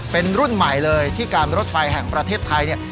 เป็นรุ่นใหม่เลยที่การรถไฟแห่งประเทศไทยเนี่ย